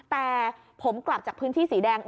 แต่ผมกลับจากพื้นที่สีแดง